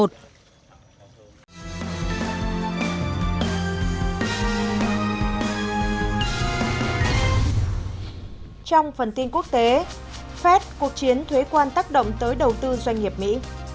trong phần tin quốc tế fed cuộc chiến thuế quan tác động tới đầu tư doanh nghiệp mỹ